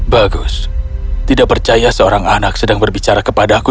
bagus tidak percaya seorang anak sedang berbicara kepadaku